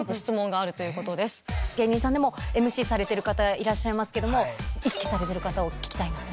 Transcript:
芸人さんでもＭＣされてる方いらっしゃいますけども意識されてる方を聞きたいなと。